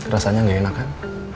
rasanya gak enak kan